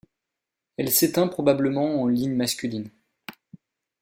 Elle s'éteint probablement en ligne masculine.